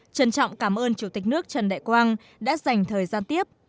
trân trọng cảm ơn chủ tịch nước trần đại quang đã dành thời gian tiếp